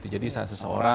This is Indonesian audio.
jadi saat seseorang